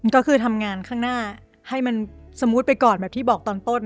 ก็คือทำงานข้างหน้าให้มันสมูทไปก่อนแบบที่บอกตอนต้น